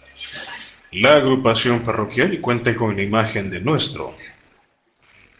La Agrupación Parroquial cuenta con la imagen de Ntro.